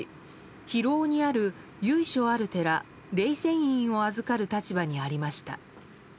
広尾にある由緒ある寺霊泉院を預かる立場にありました。